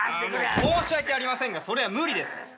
申し訳ありませんがそれは無理です。